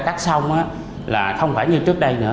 khai thác xong là không phải như trước đây nữa